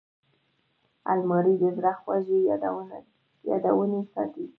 الماري د زړه خوږې یادونې ساتي